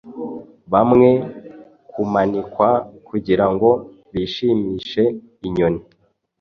Bamwe kumanikwa kugirango bishimishe inyoni